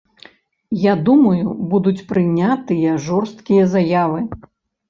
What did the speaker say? Я думаю, будуць прынятыя жорсткія заявы.